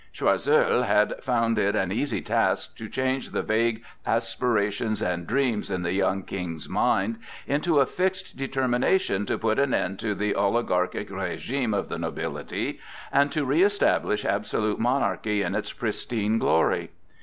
Choiseul had found it an easy task to change the vague aspirations and dreams in the young King's mind into a fixed determination to put an end to the oligarchic régime of the nobility and to reëstablish absolute monarchy in its pristine glory.